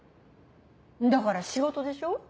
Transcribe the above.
だから仕事でしょ？